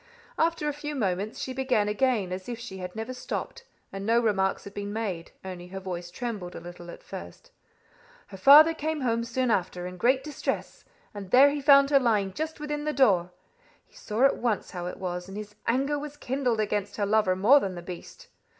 After a few moments she began again as if she had never stopped and no remarks had been made, only her voice trembled a little at first. "Her father came home soon after, in great distress, and there he found her lying just within the door. He saw at once how it was, and his anger was kindled against her lover more than the beast.